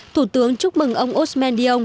thủ tướng chúc mừng ông osman dion